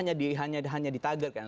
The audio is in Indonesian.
jadi kan hanya ditagarkan